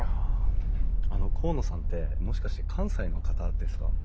あの河野さんってもしかして関西の方ですか？